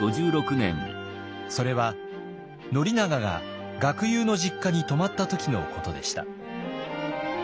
それは宣長が学友の実家に泊まった時のことでした。